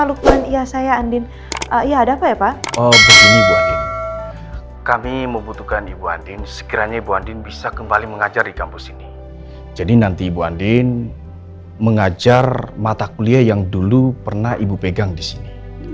halo pak lukman iya saya andin ya ada apa ya pak oh begini bu andin kami membutuhkan ibu andin sekiranya ibu andin bisa kembali mengajar di kampus ini jadi nanti ibu andin mengajar mata kuliah yang dulu pernah ibu pegang di sini